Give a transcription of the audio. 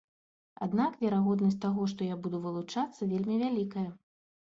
Аднак верагоднасць таго, што я буду вылучацца вельмі вялікая.